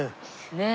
ねえ。